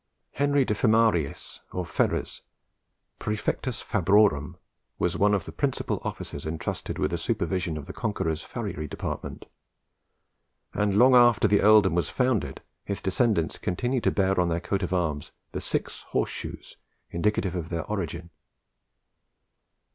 Henry de Femariis, or Ferrers, "prefectus fabrorum," was one of the principal officers entrusted with the supervision of the Conqueror's ferriery department; and long after the earldom was founded his descendants continued to bear on their coat of arms the six horse shoes indicative of their origin.